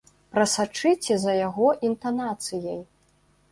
Прасачыце за яго інтанацыяй!